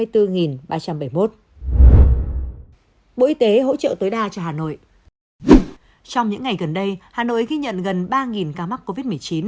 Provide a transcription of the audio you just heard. trong những ngày gần đây hà nội ghi nhận gần ba ca mắc covid một mươi chín